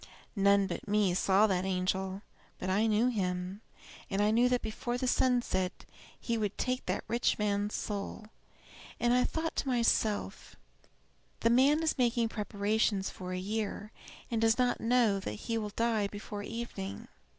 None but me saw that angel; but I knew him, and knew that before the sun set he would take that rich man's soul. And I thought to myself, 'The man is making preparations for a year, and does not know that he will die before evening.'